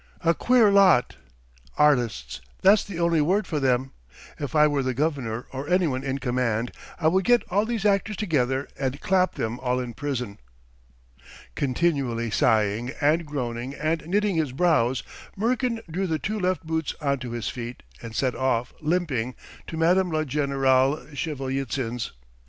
A queer lot! Artists, that's the only word for them! If I were the governor or anyone in command, I would get all these actors together and clap them all in prison." Continually sighing and groaning and knitting his brows, Murkin drew the two left boots on to his feet, and set off, limping, to Madame la Générale Shevelitsyn's.